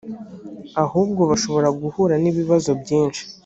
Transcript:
ahubwo bashobora guhura n’ibibazo byinshi